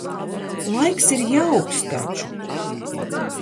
Laiks ir jauks taču.